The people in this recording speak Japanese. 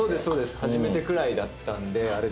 初めてくらいだったんで。